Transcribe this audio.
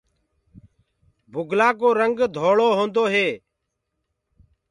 بُگلآ ڪو رنگ ڌوݪو هوندو هي۔